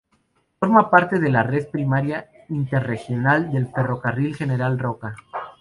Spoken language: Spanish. Forma parte de la Red Primaria Interregional del Ferrocarril General Roca.